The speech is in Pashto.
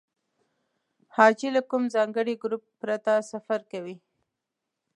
حاجي له کوم ځانګړي ګروپ پرته سفر کوي.